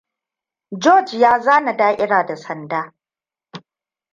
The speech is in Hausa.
Georege ya zana da'ira da sanda.